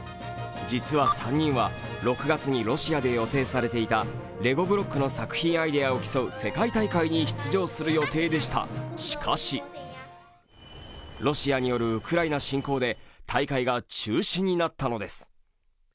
実は３人は６月にロシアで予定されていたレゴブロックの作品アイデアを競う世界大会に出場する予定でした、しかし、ロシアによるウクライナ侵攻で大会が中止になったのです。